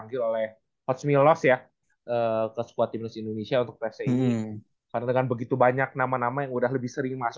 widhi itu kan nama nama yang udah